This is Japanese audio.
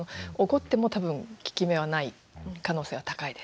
怒っても多分効き目はない可能性は高いです。